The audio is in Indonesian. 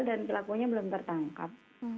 dan kelakunya belum tertangkap